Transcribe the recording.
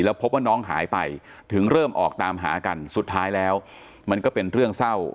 พบว่าน้องหายไปถึงเริ่มออกตามหากันสุดท้ายแล้วมันก็เป็นเรื่องเศร้า